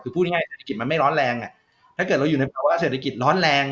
คือพูดง่ายเศรษฐกิจมันไม่ร้อนแรงถ้าเกิดเราอยู่ในภาวะเศรษฐกิจร้อนแรง